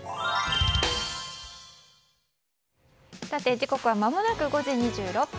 時刻はまもなく５時２６分。